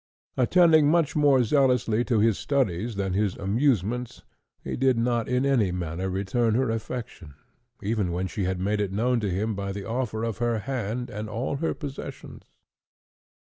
Attending much more zealously to his studies than his amusements, he did not in any manner return her affection, even when she had made it known to him by the offer of her hand and all her possessions.